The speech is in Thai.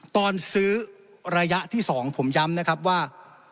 ตอนซื้อระยะที่๒ผมย้ำนะครับว่า